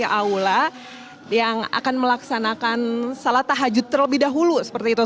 yang mulai memenuhi aula yang akan melaksanakan salat tahajud terlebih dahulu seperti itu